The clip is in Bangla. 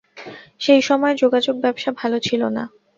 সেই সময় যোগাযোগ ব্যবসা ভালো ছিল না।